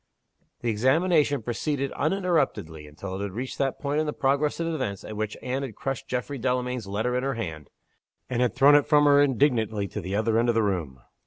The examination proceeded uninterruptedly until it had reached that point in the progress of events at which Anne had crushed Geoffrey Delamayn's letter in her hand, and had thrown it from her indignantly to the other end of the room.